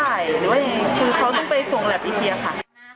ใช่หรือว่าคือเขาต้องไปส่งแล็บอีกทีค่ะ